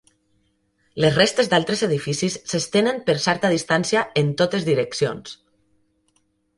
Les restes d'altres edificis s'estenen per certa distància en totes direccions.